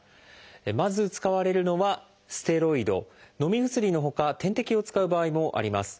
まず使われるのはステロイド。のみ薬のほか点滴を使う場合もあります。